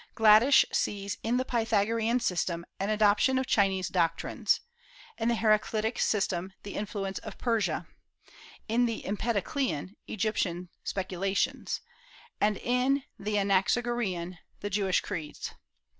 Gladish sees in the Pythagorean system an adoption of Chinese doctrines; in the Heraclitic system, the influence of Persia; in the Empedoclean, Egyptian speculations; and in the Anaxagorean, the Jewish creeds.